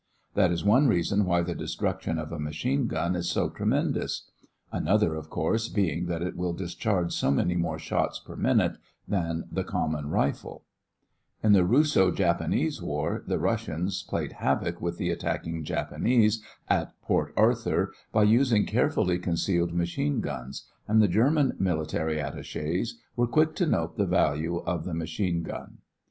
That is one reason why the destruction of a machine gun is so tremendous; another, of course, being that it will discharge so many more shots per minute than the common rifle. [Illustration: (C) Underwood & Underwood British Tank Climbing out of a Trench at Cambrai] In the Russo Japanese War, the Russians played havoc with the attacking Japanese at Port Arthur by using carefully concealed machine guns, and the German military attachés were quick to note the value of the machine gun.